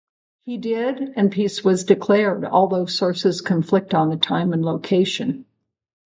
He did, and peace was declared, although sources conflict on the time and location.